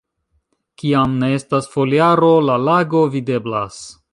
Kiam ne estas foliaro, la lago videblas.